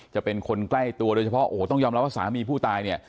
จะเป็นคนใกล้ตัวโดยเฉพาะโอ้โหต้องยอมรับว่าสามีผู้ตายเนี่ย